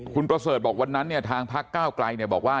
คุณประเสริฐบอกวันนั้นเนี่ยทางภักดิ์ก้าวกลายเนี่ยบอกว่า